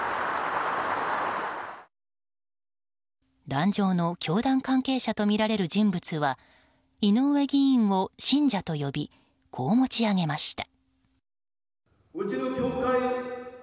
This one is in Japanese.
壇上の教団関係者とみられる人物は井上議員を信者と呼びこう持ち上げました。